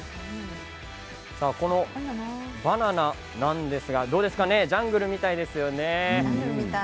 このバナナなんですがジャングルみたいですよね。